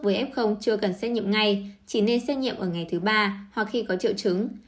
với f chưa cần xét nghiệm ngay chỉ nên xét nghiệm ở ngày thứ ba hoặc khi có triệu chứng